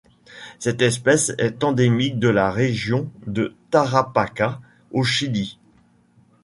Cette espèce est endémique de la région de Tarapacá au Chili.